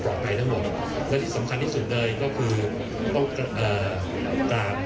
ทั้งหมดและที่สำคัญที่สุดเลยก็คือต้องเอ่อการ